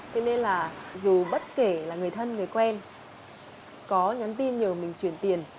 thế nên là dù bất kể là người thân người quen có nhắn tin nhờ mình chuyển tiền